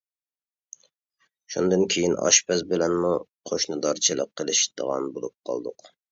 شۇندىن كېيىن ئاشپەز بىلەنمۇ قوشنىدارچىلىق قىلىشىدىغان بولۇپ قالدۇق.